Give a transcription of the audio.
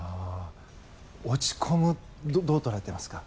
落ち込むどう捉えていますか？